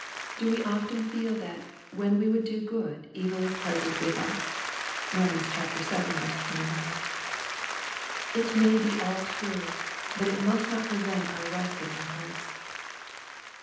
Do we often feel that " when we would do good, evil is present with us ?" (Rom. vii. 21.) It may be all true, but it must not prevent our resting on Christ.